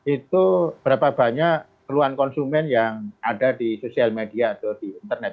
itu berapa banyak keluhan konsumen yang ada di sosial media atau di internet